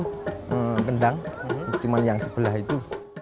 nah itu bendang cuman yang sebelah itu